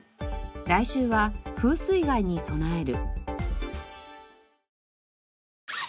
来週は「風水害に備える」。